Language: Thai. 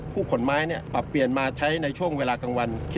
ขนไม้ปรับเปลี่ยนมาใช้ในช่วงเวลากลางวัน